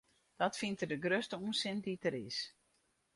Dat fynt er de grutste ûnsin dy't der is.